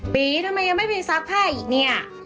ปีทำไมยังไม่ไปซักผ้าอีกเนี่ย